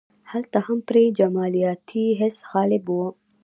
هلته هم پرې جمالیاتي حس غالب و.